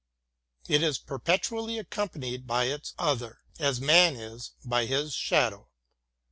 It is perpetu ally accompanied by its ''other" as man is by his shadow.